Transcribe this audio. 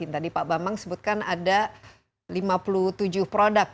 tadi pak bambang sebutkan ada lima puluh tujuh produk